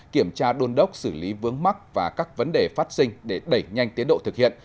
kiểm tra đôn đốc xử lý vướng mắc và các vấn đề phát sinh để đẩy nhanh tiến độ thực hiện